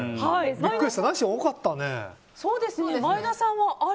ビックリした、なし多かったね。